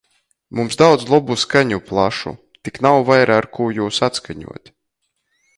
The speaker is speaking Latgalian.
Mums daudz lobu skaņu plašu, tik nav vaira ar kū jūs atskaņuot.